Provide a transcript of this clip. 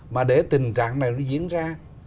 mà để tình trạng này nó diễn ra